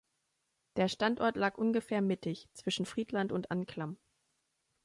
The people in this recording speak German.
Der Standort lag ungefähr mittig zwischen Friedland und Anklam.